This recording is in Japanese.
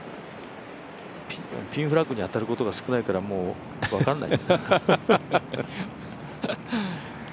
ピンフラッグに当たることが少ないからもう分かんない。